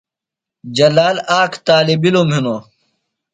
جلال آک طالبعلم ہِنوۡ۔